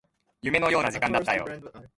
夢のような時間だったよ